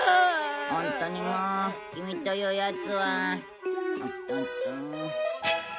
ホントにもうキミというヤツは。